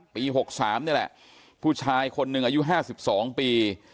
ปีหกสามนี่แหละผู้ชายคนหนึ่งอายุห้าสิบสองปี